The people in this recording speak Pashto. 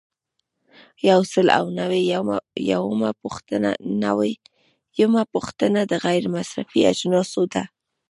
یو سل او نوي یمه پوښتنه د غیر مصرفي اجناسو ده.